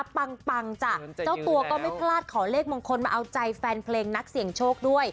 ปังจ้ะเจ้าตัวก็ไม่พลาดขอเลขมงคลมาเอาใจแฟนเพลงนักเสี่ยงโชคด้วย